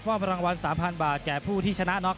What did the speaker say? ว่าประรังวัลสามพันบาทแก่ผู้ที่ชนะน็อค